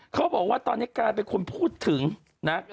เขาบอกว่าตอนนี้กลายเป็นคนพูดถึงนะ